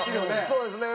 そうですね